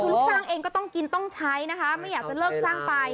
คือลูกจ้างเองก็ต้องกินต้องใช้นะคะไม่อยากจะเลิกจ้างไป